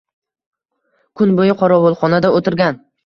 kun bo‘yi qorovulxonada o‘tirgan.